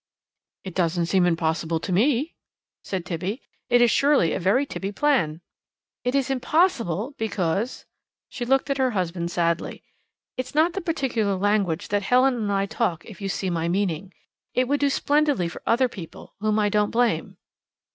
"It doesn't seem impossible to me," said Tibby; "it is surely a very tippy plan." "It is impossible, because " She looked at her husband sadly. "It's not the particular language that Helen and I talk if you see my meaning. It would do splendidly for other people, whom I don't blame."